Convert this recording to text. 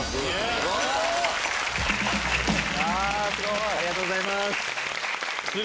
ありがとうございます。